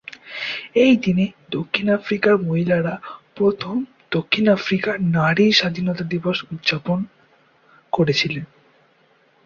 এই দিনে, দক্ষিণ আফ্রিকার মহিলারা প্রথম দক্ষিণ আফ্রিকার নারী স্বাধীনতা দিবস উদযাপন করেছিলেন।